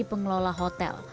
dan pengelola hotel